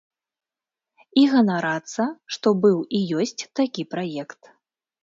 І ганарацца, што быў і ёсць такі праект.